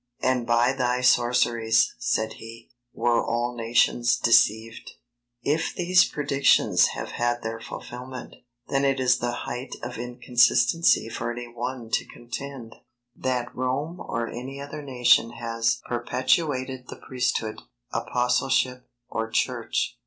"And by thy sorceries," said he, "were all nations deceived." If these predictions have had their fulfilment, then it is the height of inconsistency for any one to contend, that Rome or any nation has perpetuated the Priesthood, Apostleship, or Church.